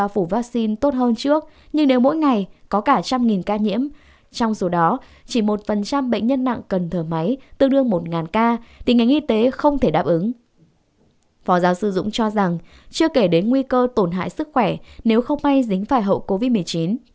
phó giáo sư dũng cho rằng chưa kể đến nguy cơ tổn hại sức khỏe nếu không may dính phải hậu covid một mươi chín